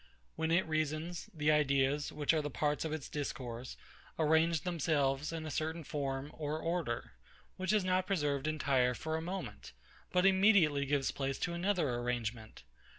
When it reasons, the ideas, which are the parts of its discourse, arrange themselves in a certain form or order; which is not preserved entire for a moment, but immediately gives place to another arrangement.